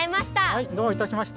はいどういたしまして！